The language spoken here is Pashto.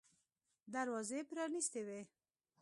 دروازې پرانیستې وې.